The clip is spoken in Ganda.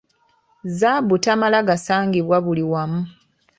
Zzaabu tamala gasangibwa buli wamu.